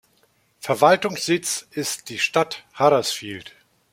Verwaltungssitz ist die Stadt Huddersfield.